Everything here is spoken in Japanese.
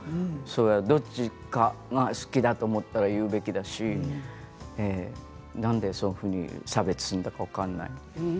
どちらかが好きだと思ったら言うべきだしなんでそういうふうに差別するのか分かんない。